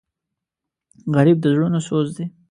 غریب د زړونو سوز دی